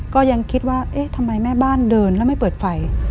ก็ยังคิดว่าเอ๊ะทำไมแม่บ้านเดินแล้วไม่เปิดไฟ